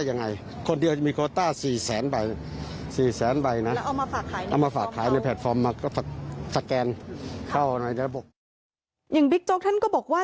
อย่างบิ๊กโจ๊กท่านก็บอกว่า